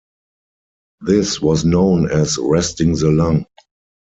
This was known as "resting the lung".